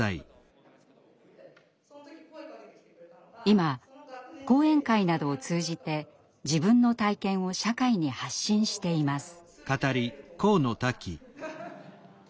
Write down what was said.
今講演会などを通じて自分の体験を社会に発信しています。